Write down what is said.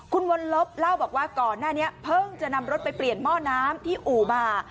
คุณวันลบเล่าบอกว่าก่อนหน้านี้เพิ่งจะนำรถไปเปลี่ยนหม้อน้ำที่อู่มา